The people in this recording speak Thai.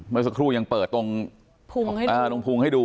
โดยสโคลุยังเปิดตรงภูงค์ให้ดู